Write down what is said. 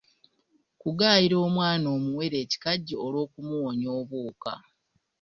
Kugaayira omwana omuwere ekikajjo olw'okumuwonya obwoka.